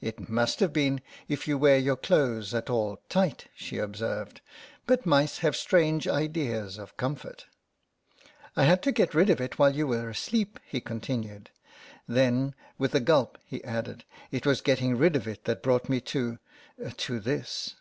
"It must have been, if you wear your clothes at all tight," she observed ;but mice have strange ideas of comfort." 122 THE MOUSE " I had to get rid of it while you were asleep," he continued ; then, with a gulp, he added, "it was getting rid of it that brought me to — to this."